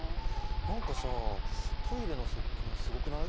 何かさトイレのせっけんすごくない？